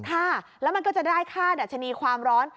ค่ะแล้วมันก็จะได้ค่าดัชนีความร้อน